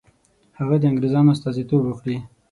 هغه د انګرېزانو استازیتوب وکړي.